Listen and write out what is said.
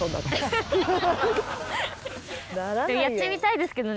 やってみたいですけどね